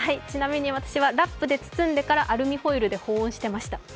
ちなみにラップで包んでからアルミホイルで保温していました。